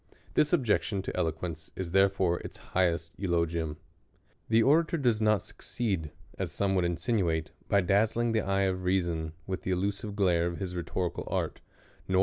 This objection to eloquence is therefore its highest eulogium. The orator does not succeed, as some would insin uate, by dazzling the eye of reason with the illusive glare of his rhetorical art, nor.